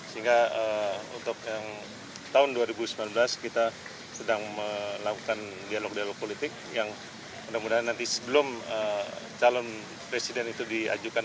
sehingga untuk yang tahun dua ribu sembilan belas kita sedang melakukan dialog dialog politik yang mudah mudahan nanti sebelum calon presiden itu diajukan